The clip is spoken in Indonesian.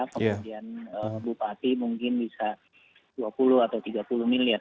kemudian bupati mungkin bisa dua puluh atau tiga puluh miliar